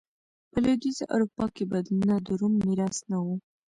په لوېدیځه اروپا کې بدلونونه د روم میراث نه و